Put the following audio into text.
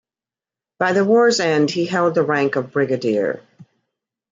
By the war's end he held the rank of brigadier.